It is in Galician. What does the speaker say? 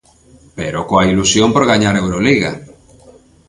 Pero coa ilusión por gañar a Euroliga.